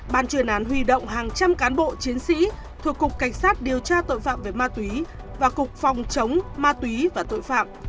ban chuyên án huy động hàng trăm cán bộ chiến sĩ thuộc cục cảnh sát điều tra tội phạm về ma túy và cục phòng chống ma túy và tội phạm